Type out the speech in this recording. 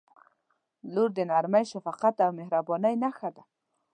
• لور د نرمۍ، شفقت او مهربانۍ نښه ده.